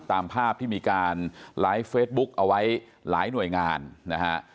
ตามภาพที่มีการไลฟ์เฟซบุ๊กเอาไว้หลายหน่วยงานนะฮะ